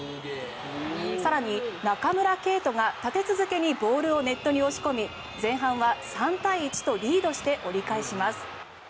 更に、中村敬斗が立て続けにボールをネットに押し込み前半は３対１とリードして折り返します。